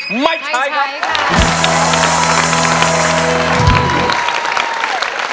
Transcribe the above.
ไม่ใช้ครับ